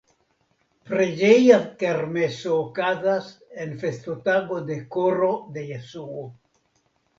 Preĝeja kermeso okazas en festotago de Koro de Jesuo.